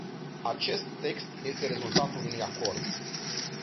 Acest text este rezultatul unui acord.